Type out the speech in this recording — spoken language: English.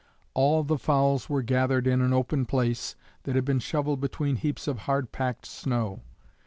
All the fowls were gathered in an open place that had been shovelled between heaps of hard packed snow.